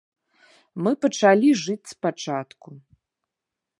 Мы пачалі жыць спачатку.